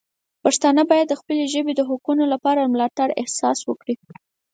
پښتانه باید د خپلې ژبې د حقونو لپاره د ملاتړ احساس وکړي.